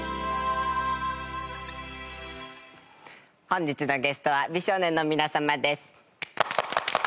本日のゲストは美少年の皆様です。